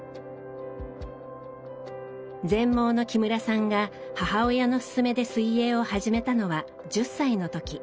全盲の木村さんが母親の勧めで水泳を始めたのは１０歳の時。